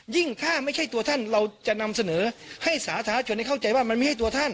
ถ้าไม่ใช่ตัวท่านเราจะนำเสนอให้สาธารณชนให้เข้าใจว่ามันไม่ใช่ตัวท่าน